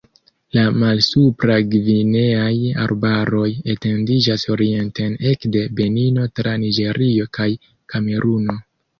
La malsupra-gvineaj arbaroj etendiĝas orienten ekde Benino tra Niĝerio kaj Kameruno.